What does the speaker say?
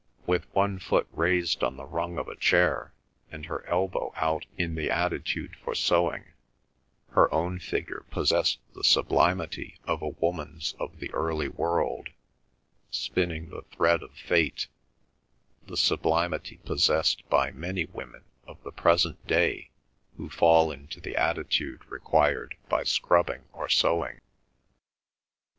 With one foot raised on the rung of a chair, and her elbow out in the attitude for sewing, her own figure possessed the sublimity of a woman's of the early world, spinning the thread of fate—the sublimity possessed by many women of the present day who fall into the attitude required by scrubbing or sewing.